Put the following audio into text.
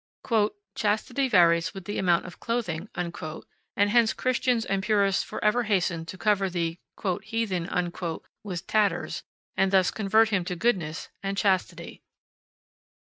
"Chastity varies with the amount of clothing," and hence Christians and purists forever hasten to cover the "heathen" with tatters, and thus convert him to goodness and chastity.